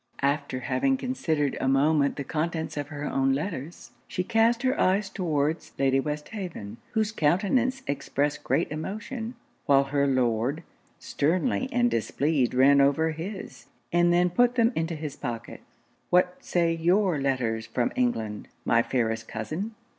After having considered a moment the contents of her own letters, she cast her eyes towards Lady Westhaven, whose countenance expressed great emotion; while her Lord, sternly and displeased ran over his, and then put them into his pocket. 'What say your letters from England, my fairest cousin?'